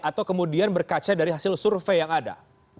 atau kemudian berkaca dari hasil survei yang ada